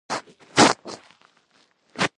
ایا ستاسو قفل به کلک وي؟